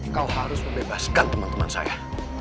kau harus membebaskan teman teman saya